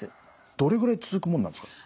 どれぐらい続くものなんですか？